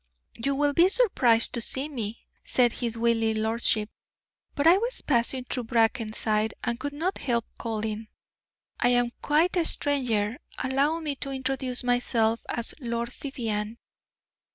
"You will be surprised to see me," said his wily lordship, "but I was passing through Brackenside and could not help calling. I am quite a stranger. Allow me to introduce myself as Lord Vivianne.